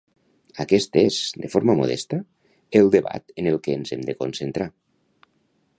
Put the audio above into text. Aquest és, de forma modesta, el debat en el que ens hem de concentrar.